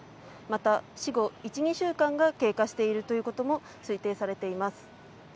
また、死後１２週間が経過しているということも推定されています。